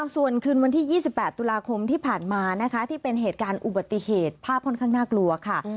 ส่วนคืนวันที่๒๘ตุลาคมที่ผ่านมานะคะที่เป็นเหตุการณ์อุบัติเหตุภาพค่อนข้างน่ากลัวค่ะ